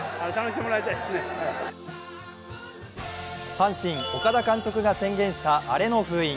阪神・岡田監督が宣言したアレの封印。